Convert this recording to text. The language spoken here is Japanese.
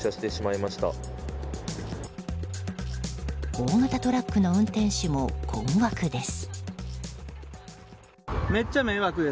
大型トラックの運転手も困惑です。